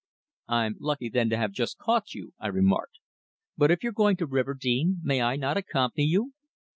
"I'm lucky then to have just caught you," I remarked. "But if you're going to Riverdene, may I not accompany you?"